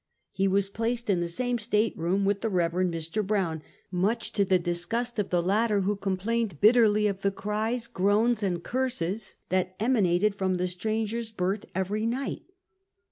He was placed in the same state room with the Rev. Mr. Brown, much to the disgust of the latter, who complained bitterly of the cries, groans and curses that emanated from the stranger's berth every night.